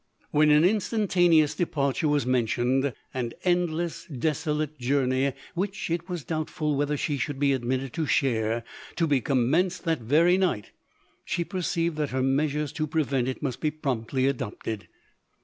When an instantaneous depar ture was mentioned, an endless, desolate jour nev, which it was doubtful whether she should be admitted to share, to be commenced that very night, she perceived that her measures to prevent it must be promptly adopted.